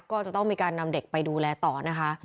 ก็จะต้องมีการนำเด็กไปดูแลต่อนะคะ